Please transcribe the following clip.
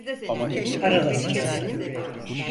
Arada sırada.